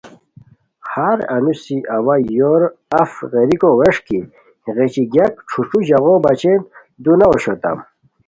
ہر انوسی اوا یور اف غیریکو وݰکی غیچی گیاک ݯھوݯھو ژاغو بچین دوناؤ اوشوتام